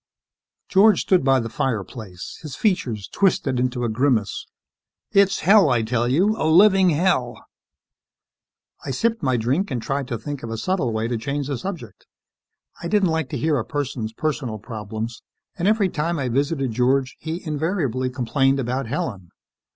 George stood by the fireplace, his features twisted into a grimace. "It's hell, I tell you. A living hell." I sipped my drink and tried to think of a subtle way to change the subject. I didn't like to hear a person's personal problems and every time I visited George, he invariably complained about Helen.